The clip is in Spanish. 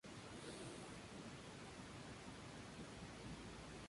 Residió y trabajó en muchos sitios y hasta su muerte vivió en Saboya.